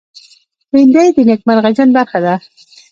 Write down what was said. بېنډۍ د نېکمرغه ژوند برخه ده